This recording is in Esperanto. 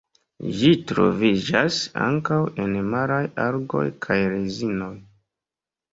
Ĝi troviĝas ankaŭ en maraj algoj kaj rezinoj.